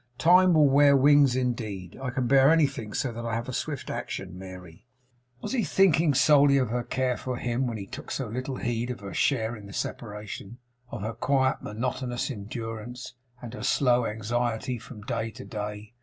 Time will wear wings indeed! I can bear anything, so that I have swift action, Mary.' Was he thinking solely of her care for him, when he took so little heed of her share in the separation; of her quiet monotonous endurance, and her slow anxiety from day to day?